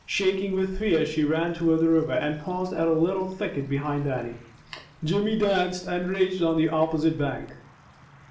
Shaking with fear, she ran toward the river, and paused at a little thicket behind Dannie. Jimmy danced and raged on the opposite bank.